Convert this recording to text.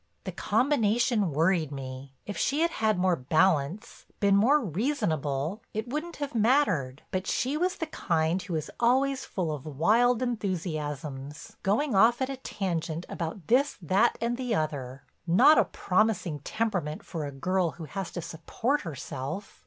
The combination worried me; if she had had more balance, been more reasonable, it wouldn't have mattered. But she was the kind who is always full of wild enthusiasms, going off at a tangent about this, that and the other. Not a promising temperament for a girl who has to support herself.